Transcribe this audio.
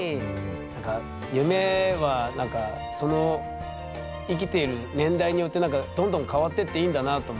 なんか夢はその生きてる年代によってどんどん変わってっていいんだなと思って。